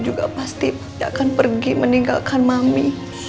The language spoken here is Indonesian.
juga pasti tidak akan pergi meninggalkan mami